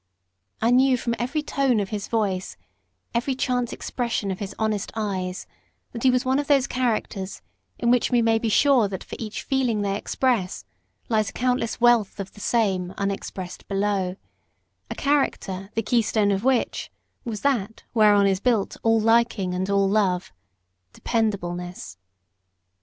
I knew from every tone of his voice, every chance expression of his honest eyes, that he was one of those characters in which we may be sure that for each feeling they express lies a countless wealth of the same, unexpressed, below; a character the keystone of which was that whereon is built all liking and all love DEPENDABLENESS.